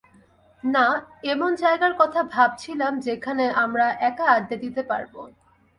না, এমন জায়গার কথা ভাবছিলাম যেখানে আমরা একা আড্ডা দিতে পারব।